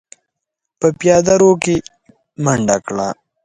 په پياده رو کې يې منډه کړه.